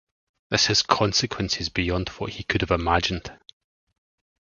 This has consequences beyond what he could have imagined.